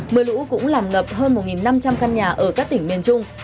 mưa lũ cũng làm ngập hơn một năm trăm linh căn nhà ở các tỉnh miền trung